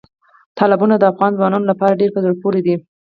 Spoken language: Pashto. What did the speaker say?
تالابونه د افغان ځوانانو لپاره ډېره په زړه پورې دي.